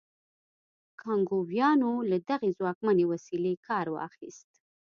کانګویانو له دغې ځواکمنې وسیلې کار واخیست.